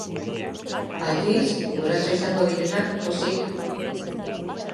Aldiz guraso izango direnak pozik!